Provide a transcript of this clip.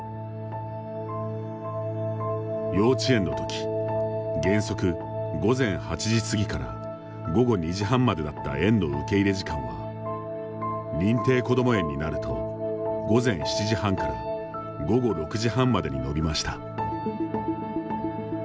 幼稚園の時原則午前８時過ぎから午後２時半までだった園の受け入れ時間は認定こども園になると午前７時半から午後６時半までに延びました。